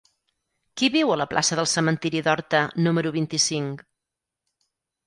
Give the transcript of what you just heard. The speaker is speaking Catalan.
Qui viu a la plaça del Cementiri d'Horta número vint-i-cinc?